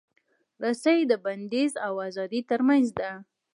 رسۍ د بندیز او ازادۍ ترمنځ ده.